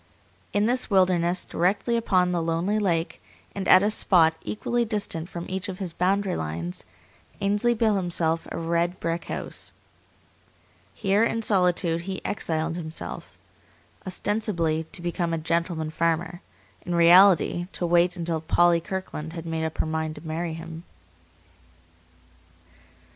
In this wilderness, directly upon the lonely lake, and at a spot equally distant from each of his boundary lines, Ainsley built himself a red brick house. Here, in solitude, he exiled himself; ostensibly to become a gentleman farmer; in reality to wait until Polly Kirkland had made up her mind to marry him.